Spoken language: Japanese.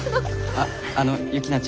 あっあのユキナちゃん